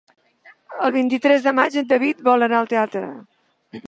El vint-i-tres de maig en David vol anar al teatre.